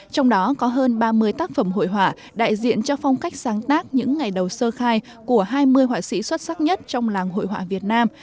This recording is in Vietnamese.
trong đó có hơn ba mươi tác phẩm hội họa đại diện cho phong cách sáng tác những ngày đầu sơ khai của hai mươi họa sĩ xuất sắc nhất trong làng hội họa việt nam